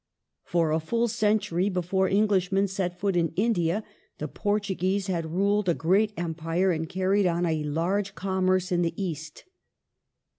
For a full century before English men set foot in India the Portuguese had ruled a great Empire and carried on a large commerce in the East.